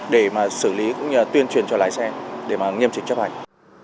để mà xử lý cũng như là tuyên truyền cho lái xe để mà nghiêm chỉnh chấp hành